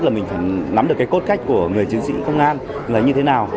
là mình phải nắm được cái cốt cách của người chiến sĩ công an là như thế nào